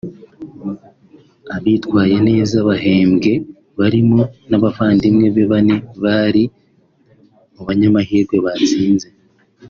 Abitwaye neza bahembwe barimo n’abavandimwe be bane bari mu banyamahirwe batsinze